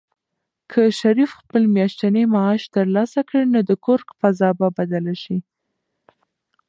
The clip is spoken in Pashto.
که شریف خپل میاشتنی معاش ترلاسه کړي، نو د کور فضا به بدله شي.